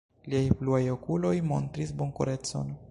Liaj bluaj okuloj montris bonkorecon.